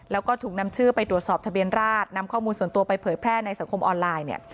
แล้วก็ถูกนำชื่อไปตรวจสอบทะเบียนราชนำข้อมูลส่วนตัวไปเผยแพร่ในสังคมออนไลน์เนี่ย